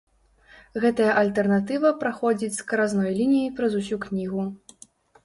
Гэтая альтэрнатыва праходзіць скразной лініяй праз усю кнігу.